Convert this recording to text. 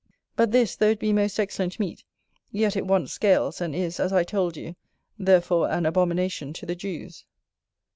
But this, though it be most excellent meat, yet it wants scales, and is, as I told you, therefore an abomination to the Jews.